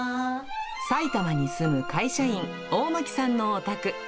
埼玉に住む会社員、大牧さんのお宅。